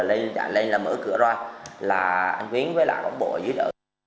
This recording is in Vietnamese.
sau đó tui hổng tui buông cửa ra kia giction floor đã bị can giam tại đây